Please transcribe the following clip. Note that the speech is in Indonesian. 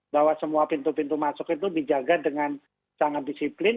bahwa semua pintu pintu masuk itu dijaga dengan sangat disiplin